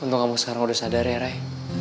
untung kamu sekarang sudah sadar ya ray